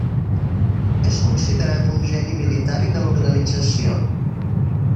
És considerat un geni militar i de l'organització.